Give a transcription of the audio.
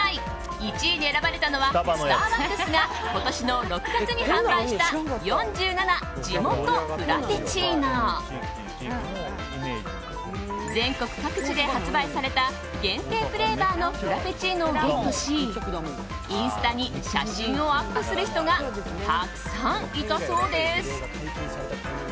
１位に選ばれたのはスターバックスが今年の６月に販売した「４７ＪＩＭＯＴＯフラペチーノ」全国各地で発売された限定フレーバーのフラペチーノをゲットしインスタに写真をアップする人がたくさんいたそうです。